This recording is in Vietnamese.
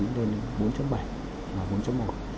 đến bốn bảy và bốn một